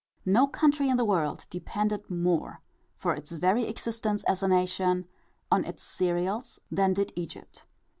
No country in the world depended more, for its very existence as a nation, on its cereals than did Egypt.